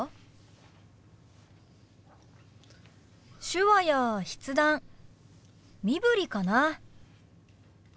手話や筆談身振りかな。